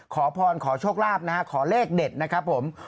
ขอพรขอโชคลาภนะฮะขอเลขเด็ดนะครับผม